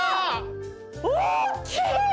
大っきい！